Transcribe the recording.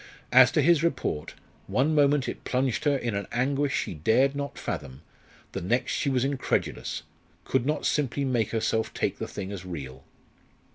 As to his report, one moment it plunged her in an anguish she dared not fathom; the next she was incredulous could not simply make herself take the thing as real.